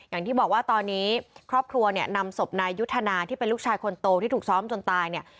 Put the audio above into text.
อย่างที่บอกว่าตอนนี้ครอบครัวเนี่ยนำศพนายยุทธนาที่เป็นลูกชายคนโตที่ถูกซ้อมจนตายเนี่ย